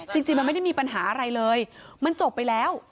จริงมันไม่ได้มีปัญหาอะไรเลยมันจบไปแล้ว